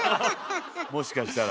もしかしたら。